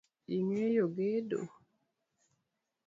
Ing’eyo gedo?